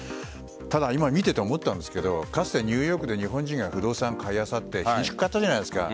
ただ、今見てて思ったんですがかつてニューヨークで日本人が不動産買いあさって、ひんしゅく買ったじゃないですか。